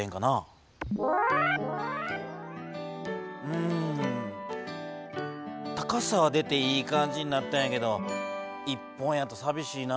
うん高さは出ていい感じになったんやけど１本やとさびしいな。